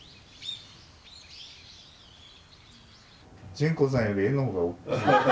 純子さんより絵のほうが大きい。